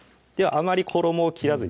あまり衣を切らずにですね